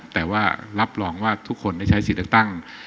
แต่ว่ารับรองว่าทุกคนได้ใช้สิทธิ์เลือกตั้ง